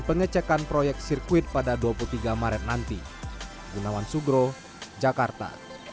pengecekan proyek sirkuit pada dua puluh tiga maret nanti gunawan sugro jakarta